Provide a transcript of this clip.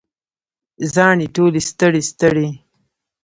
زاڼې ټولې ستړي، ستړي